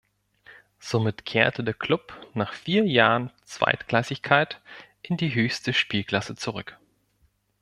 Somit kehrte der Klub nach vier Jahren Zweitklassigkeit in die höchste Spielklasse zurück.